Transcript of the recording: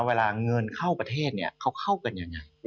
เวลาเงินเข้าประเทศเข้ากันยังไง